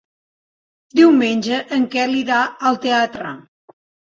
Diumenge en Quel irà al teatre.